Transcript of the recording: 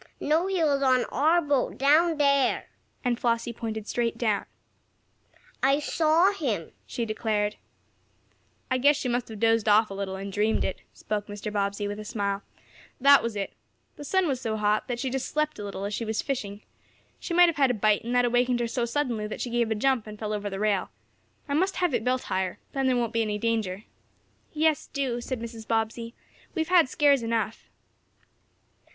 "No, he was on our boat down there," and Flossie pointed straight down. "I saw him!" she declared. "I guess she must have dozed off a little, and dreamed it," spoke Mr. Bobbsey, with a smile. "That was it. The sun was so hot, that she just slept a little as she was fishing. She might have had a bite, and that awakened her so suddenly that she gave a jump and fell over the rail. I must have it built higher. Then there won't be any danger." "Yes, do," said Mrs. Bobbsey. "We've had scares enough."